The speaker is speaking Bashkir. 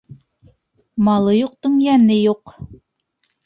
Малы юҡтың йәне юҡ.